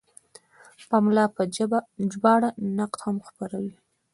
پملا په ژباړه نقد هم خپروي.